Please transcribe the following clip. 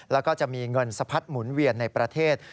แล้วก็จะมีเงินสะพัดหมุนเวียนในประเทศ